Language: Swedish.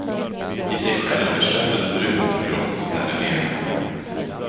I sig själv är köttet brunt och grått, när det legat.